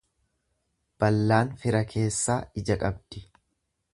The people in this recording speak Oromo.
Ballaan fira keessaa ija qabdi.